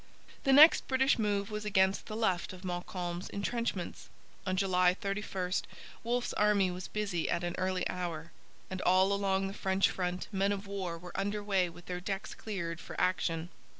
The next British move was against the left of Montcalm's entrenchments. On July 31 Wolfe's army was busy at an early hour; and all along the French front men of war were under way with their decks cleared for action.